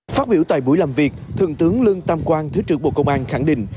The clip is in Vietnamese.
phát biểu tại buổi làm việc thượng tướng lương tam quang thứ trưởng bộ công an khẳng định